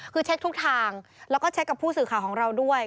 คือเช็คทุกทางแล้วก็เช็คกับผู้สื่อข่าวของเราด้วย